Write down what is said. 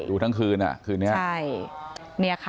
ดูทั้งคืนคืนนี้ค่ะ